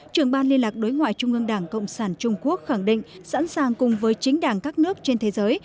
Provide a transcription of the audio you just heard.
trưởng ban liên lạc đối ngoại trung ương đảng cộng sản trung quốc khẳng định sẵn sàng cùng với chính đảng các nước trên thế giới